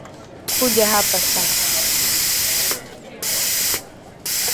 Kuja hapa sasa.